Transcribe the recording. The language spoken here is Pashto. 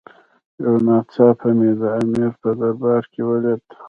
یو ناڅاپه مې د امیر په دربار کې ولید.